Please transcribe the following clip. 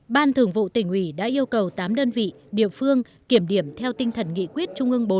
ban thường vụ tỉnh ủy đã yêu cầu tám đơn vị địa phương kiểm điểm theo tinh thần nghị quyết trung ương bốn